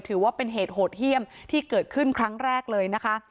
ถือว่าเป็นเหตุโหดเยี่ยมที่เกิดขึ้นครั้งแรกเลยนะคะ